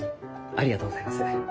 ありがとうございます。